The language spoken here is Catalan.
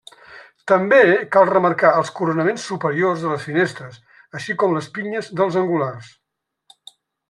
També, cal remarcar els coronaments superiors de les finestres, així com les pinyes dels angulars.